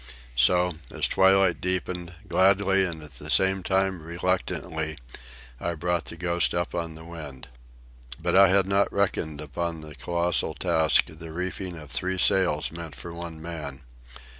So, as twilight deepened, gladly and at the same time reluctantly, I brought the Ghost up on the wind. But I had not reckoned upon the colossal task the reefing of three sails meant for one man.